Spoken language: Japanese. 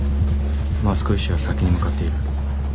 益子医師は先に向かっている。